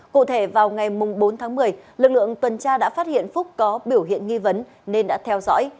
cụ thể vào ngày bốn tháng một mươi lực lượng tuần tra đã phát hiện phúc có biểu hiện nghi vấn nên đã theo dõi